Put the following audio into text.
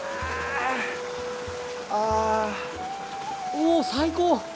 うお最高！